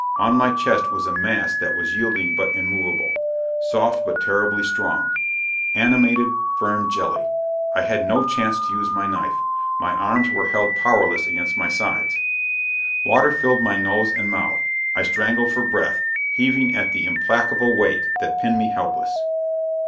On my chest was a mass that was yielding but immovable, soft but terribly strong. Animated, firm jelly! I had no chance to use my knife. My arms were held powerless against my sides. Water filled my nose and mouth. I strangled for breath, heaving at the implacable weight that pinned me helpless.